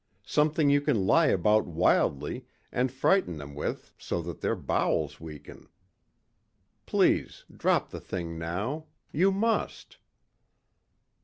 Something you can lie about wildly and frighten them with so that their bowels weaken. Please, drop the thing now. You must...."